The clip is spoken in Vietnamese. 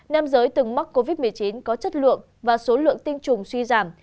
nam giới từng mắc covid một mươi chín có chất lượng và số lượng tiêm chủng suy giảm